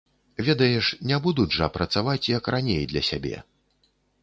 Ведаеш, не будуць жа працаваць, як раней для сябе.